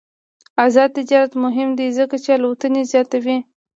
آزاد تجارت مهم دی ځکه چې الوتنې زیاتوي.